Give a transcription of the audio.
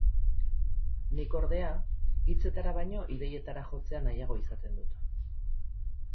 Nik, ordea, hitzetara baino ideietara jotzea nahiago izaten dut.